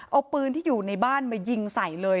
เอาปืนที่อยู่ในบ้านมายิงใส่เลย